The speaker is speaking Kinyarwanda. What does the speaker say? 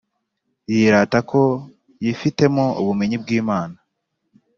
Yirata ko yifitemo ubumenyi bw’Imana,